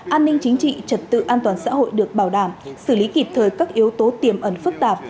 an ninh chính trị trật tự an toàn xã hội được bảo đảm xử lý kịp thời các yếu tố tiềm ẩn phức tạp